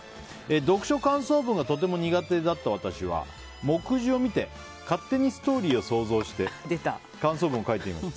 読書感想文がとても苦手だった私は目次を見て勝手にストーリーを想像して感想文を書いていました。